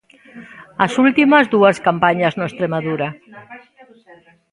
As últimas dúas campañas no Estremadura.